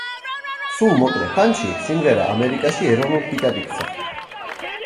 სულ მოკლე ხანში სიმღერა ამერიკაში ეროვნულ ჰიტად იქცა.